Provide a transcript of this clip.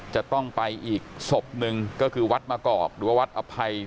จะต้องไปอีกศพหนึ่งก็คือวัดมะกอกหรือว่าวัดอภัย